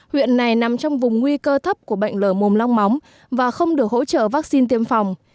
huyện này nằm trong vùng nguy cơ thấp của bệnh lở mồm long móng và không được hỗ trợ vaccine tiêm phòng